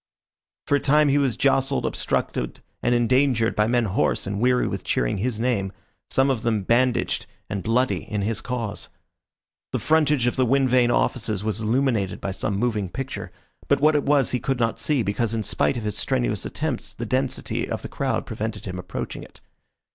For a time he was jostled, obstructed, and endangered by men hoarse and weary with cheering his name, some of them bandaged and bloody in his cause. The frontage of the wind vane offices was illuminated by some moving picture, but what it was he could not see, because in spite of his strenuous attempts the density of the crowd prevented his approaching it.